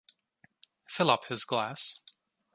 Fill up his glass.